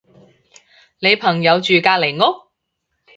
你朋友住隔離屋？